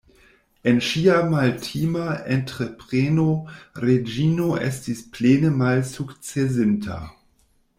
En ŝia maltima entrepreno Reĝino estis plene malsukcesinta.